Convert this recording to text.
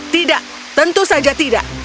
tidak tentu saja tidak